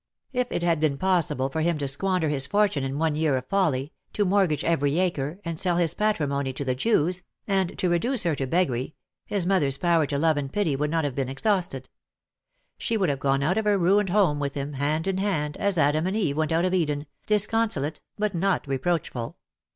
If it had been possible for him to squander his fortune in one year of folly, to mortgage every acre, and sell his patrimony to the Jews, and to reduce her to beggary, his mother's power to love and pity would not have been exhausted. She would have gone out of her ruined home with him, hand in hand, as Adam and Eve went out of Eden, disconsolate but not reproachful.